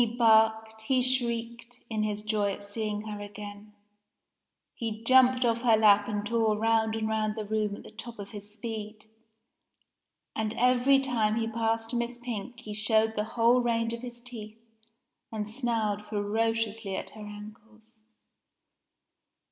He barked, he shrieked, in his joy at seeing her again. He jumped off her lap and tore round and round the room at the top of his speed; and every time he passed Miss Pink he showed the whole range of his teeth and snarled ferociously at her ankles.